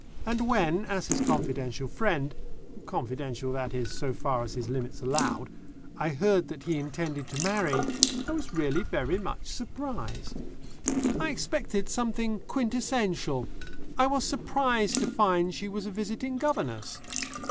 And when, as his confidential friend confidential, that is, so far as his limits allowed I heard that he intended to marry, I was really very much surprised. I expected something quintessential; I was surprised to find she was a visiting governess.